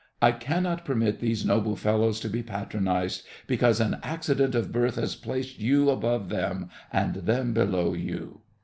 I cannot permit these noble fellows to be patronised because an accident of birth has placed you above them and them below you.